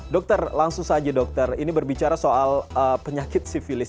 dokter langsung saja dokter ini berbicara soal penyakit sivilis